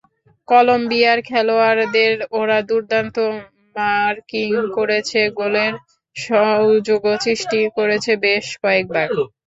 কলম্বিয়ার খেলোয়াড়দের ওরা দুর্দান্ত মার্কিং করেছে, গোলের সুযোগও সৃষ্টি করেছে বেশ কয়েকবার।